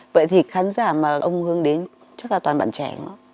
vậy thì khán giả mà ông hướng đến chắc là toàn bản trẻ không ạ